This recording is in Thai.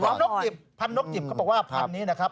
นกจิบพันนกจิบเขาบอกว่าพันนี้นะครับ